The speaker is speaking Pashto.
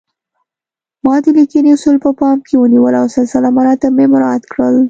ما د لیکنې اصول په پام کې ونیول او سلسله مراتب مې مراعات کړل